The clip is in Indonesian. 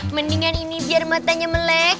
mendingan ini biar matanya melek